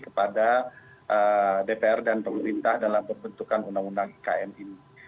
kepada dpr dan pemerintah dalam pembentukan undang undang ikn ini